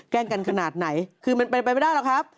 กันขนาดไหนคือมันเป็นไปไม่ได้หรอกครับ